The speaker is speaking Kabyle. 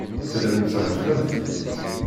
Tellamt trebbḥemt.